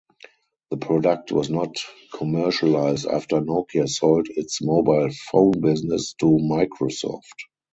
The product was not commercialized after Nokia sold its mobile phone business to Microsoft.